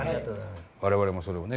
我々もそれをね